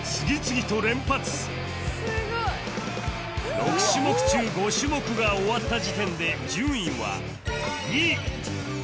６種目中５種目が終わった時点で順位は２位